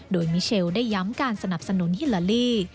โดยมิเชลได้ย้ำการสนับสนุนฮิลาลี